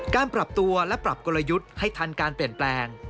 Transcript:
การปรับตัวและปรับกลยุทธ์ให้ทันการเปลี่ยนแปลง